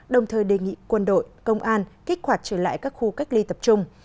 đồng thời đề nghị quân đội công an kích hoạt trở lại các khu cách ly tập trung